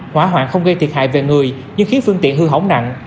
hỏa hoạn không gây thiệt hại về người nhưng khiến phương tiện hư hỏng nặng